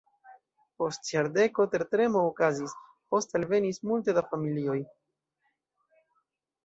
Post jardeko tertremo okazis, poste alvenis multe da familioj.